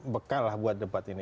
bekal lah buat ini